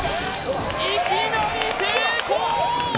いきなり成功！